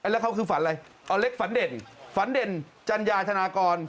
แล้วเขาคือฝันอะไรอ๋อเล็กฝันเด่นฝันเด่นจัญญาธนากร